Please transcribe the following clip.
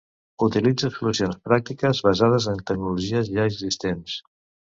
Utilitza solucions pràctiques basades en tecnologies ja existents.